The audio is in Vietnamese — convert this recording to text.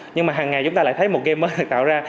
nhưng mà hằng ngày chúng ta lại thấy một game mới tạo ra